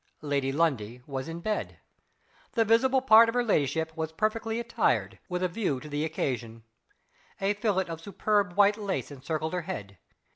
Lady Lundie was in bed. The visible part of her ladyship was perfectly attired, with a view to the occasion. A fillet of superb white lace encircled her head.